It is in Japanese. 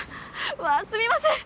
わぁすみません！